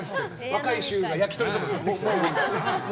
若い衆が焼き鳥と買ってきて。